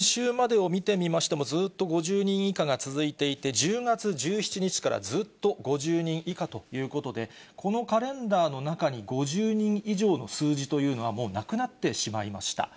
先週までを見てみましても、ずっと５０人以下が続いていて、１０月１７日からずっと５０人以下ということで、このカレンダーの中に、５０人以上の数字というのは、もうなくなってしまいました。